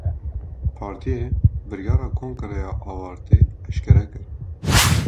Partiyê, biryara kongreya awarte eşkere kir